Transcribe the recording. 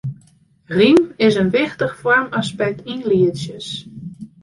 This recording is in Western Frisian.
Rym is in wichtich foarmaspekt yn lietsjes.